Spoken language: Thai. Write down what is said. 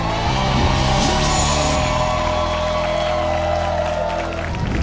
ถ้าพร้อมแล้วผมเชิญพี่แมวมาต่อชีวิตเป็นคนแรกครับ